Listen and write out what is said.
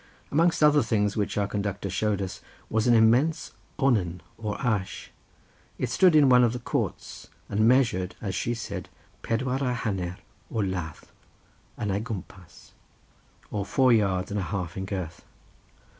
Amongst other things which our conductor showed us, was an immense onen or ash; it stood in one of the courts, and measured, as she said, pedwar y haner o ladd yn ei gwmpas, or four yards and a half in girth.